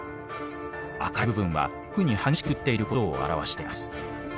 赤い部分は特に激しく降っていることを表しています。